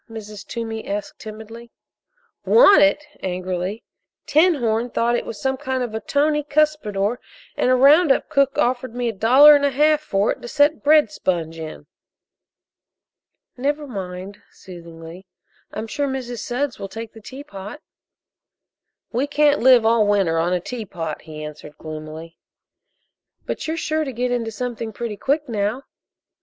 Mrs. Toomey asked timidly. "Want it?" angrily. "'Tinhorn' thought it was some kind of a tony cuspidor, and a round up cook offered me a dollar and a half for it to set bread sponge in." "Never mind," soothingly, "I'm sure Mrs. Sudds will take the teapot." "We can't live all winter on a teapot," he answered gloomily. "But you're sure to get into something pretty quick now."